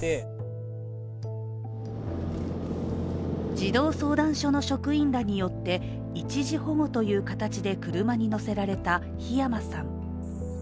児童相談所の職員らによって一時保護という形で車に乗せられた火山さん。